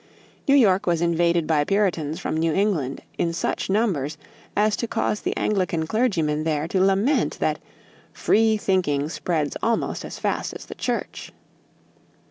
New York was invaded by Puritans from New England in such numbers as to cause the Anglican clergymen there to lament that "free thinking spreads almost as fast as the Church."